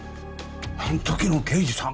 あん時の刑事さん！？